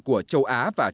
của châu á và trung quốc